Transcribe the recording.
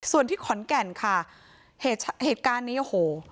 ส่วนที่ขอนแก่นค่ะเหตุการณ์นี้โอ้โห